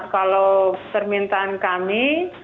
kalau permintaan kami